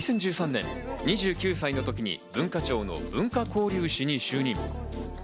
２０１３年、２９歳の時に文化庁の文化交流使に就任。